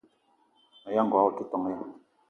Aya ngogo o te ton ya?